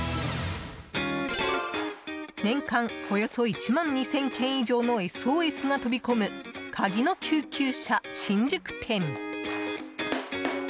年間およそ１万２０００件以上のＳＯＳが飛び込むカギの救急車、新宿店。